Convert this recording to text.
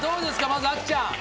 まずあきちゃん。